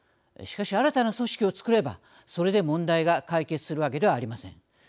しかし新たな組織を作ればそれで問題が解決するわけではありません。